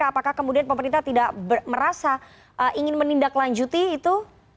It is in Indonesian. apakah kemudian pemerintah tidak merasa ingin menindaklanjuti itu